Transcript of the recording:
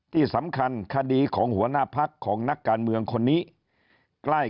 ที่สำคัญคดีของหัวหน้าพักของนักการเมืองคนนี้ใกล้